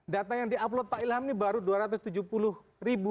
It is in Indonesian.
data yang di upload pak ilham ini baru dua ratus tujuh puluh ribu